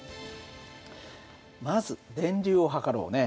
まず電流を測ろうね。